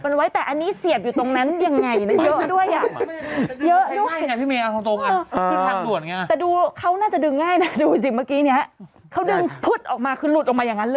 พอกเขาดึงพุ๊ตออกมาลุดออกมาอย่างนั้นเลย